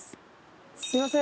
すみません。